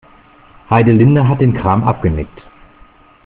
Heidelinde hat den Kram abgenickt.